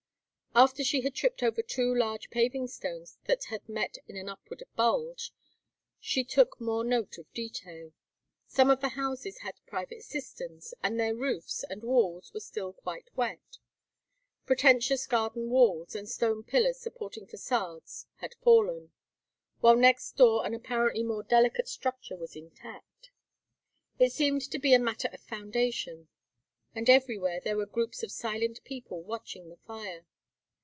After she had tripped over two large paving stones that had met in an upward bulge, she took more note of detail. Some of the houses had private cisterns, and their roofs and walls were still quite wet. Pretentious garden walls, and stone pillars supporting façades, had fallen, while next door an apparently more delicate structure was intact. It seemed to be a matter of foundation. And everywhere there were groups of silent people watching the fire.